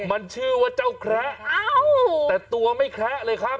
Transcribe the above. มันชื่อว่าเจ้าแคระแต่ตัวไม่แคละเลยครับ